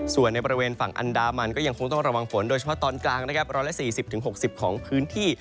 ส่วนในบริเวณฝั่งอันดามันก็ยังคงต้องระวังฝนโดยเฉพาะตอนกลางนะครับ๑๔๐๖๐ของพื้นที่